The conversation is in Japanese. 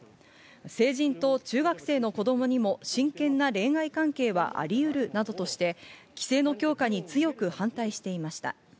成人と中学生の子供にも真剣な恋愛関係はありうるなどとして、規制の強化に強く反対していました。